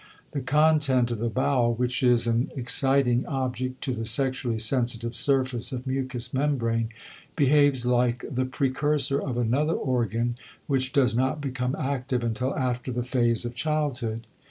The content of the bowel which is an exciting object to the sexually sensitive surface of mucous membrane behaves like the precursor of another organ which does not become active until after the phase of childhood.